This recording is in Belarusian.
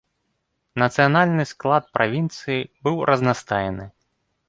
Нацыянальны склад правінцыі быў разнастайны.